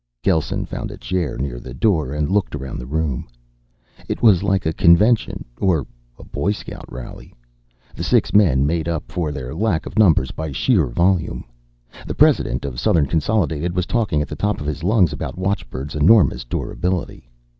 Gelsen found a chair near the door and looked around the room. It was like a convention, or a Boy Scout rally. The six men made up for their lack of numbers by sheer volume. The president of Southern Consolidated was talking at the top of his lungs about watchbird's enormous durability.